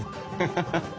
ハハハ。